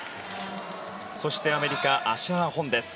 そして、アメリカアシャー・ホンです。